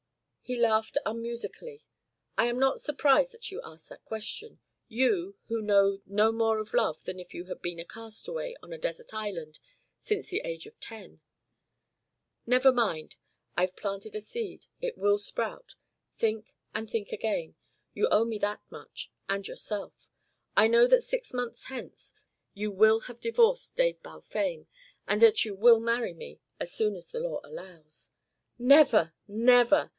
He laughed unmusically. "I am not surprised that you ask that question you, who know no more of love than if you had been a castaway on a desert island since the age of ten. Never mind. I've planted a seed. It will sprout. Think and think again. You owe me that much and yourself. I know that six months hence you will have divorced Dave Balfame, and that you will marry me as soon as the law allows." "Never! Never!"